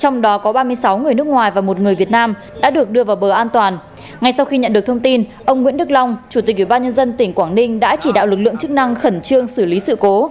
ngay sau khi nhận được thông tin ông nguyễn đức long chủ tịch ủy ban nhân dân tỉnh quảng ninh đã chỉ đạo lực lượng chức năng khẩn trương xử lý sự cố